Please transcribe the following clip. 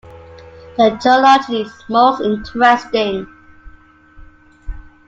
The geology is most interesting.